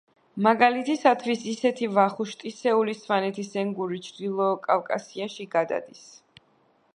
მაგალითისათვის იგივე ვახუშტისეული სვანეთის ენგური ჩრდილოკავკასიაში გადადის.